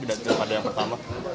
beda beda yang pertama